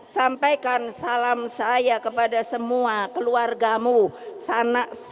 sampaikan salam saya kepada semua keluargamu sanak saudaramu rakyat indonesia yang tidak bisa keluar